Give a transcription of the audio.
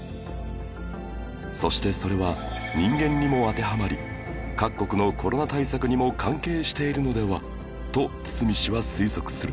そしてそれは人間にも当てはまり各国のコロナ対策にも関係しているのではと堤氏は推測する